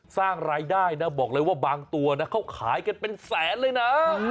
สร้างรายได้นะบอกเลยว่าบางตัวนะเขาขายกันเป็นแสนเลยนะ